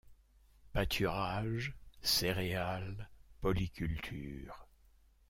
Pâturages, céréales, polyculture.